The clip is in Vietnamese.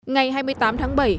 ngày hai mươi tám tháng bảy